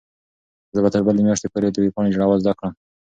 زه به تر بلې میاشتې پورې د ویبپاڼې جوړول زده کړم.